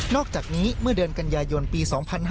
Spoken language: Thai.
อกจากนี้เมื่อเดือนกันยายนปี๒๕๕๙